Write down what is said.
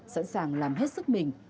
sẵn sàng làm hết sức mình